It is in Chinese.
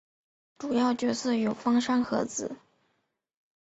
主要角色有芳山和子。